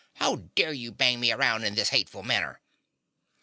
How dare you bang me around in this hateful manner?"